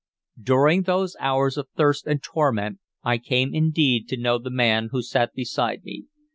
During those hours of thirst and torment I came indeed to know the man who sat beside me.